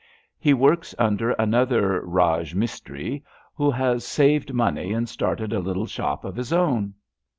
He works under another Raj mistri, who has saved money and started a little shop of his own.